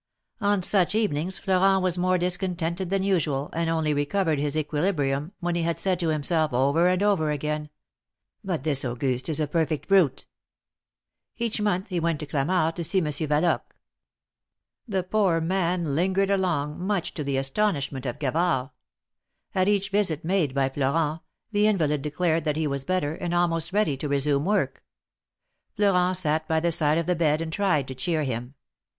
On such evenings Florent was more discontented than usual, and only recovered his equilibrium, when he had said to himself, over and over again : But this Auguste is a perfect brute ! Each month he went to Clamart to see Monsieur Valoque. The poor man lingered along, much to the astonishment of Gavard. At each visit made by Florent, the invalid declared that he was better, and almost ready to resume work. Florent sat by the side of the bed and tried to cheer him.